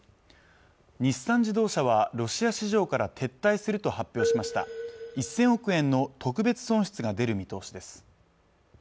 日産自動車はロシア市場から撤退すると発表しました１０００億円の特別損失が出る見通しです